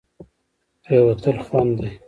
پرېوتل خوند دی.